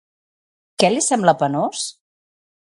Què li sembla penós?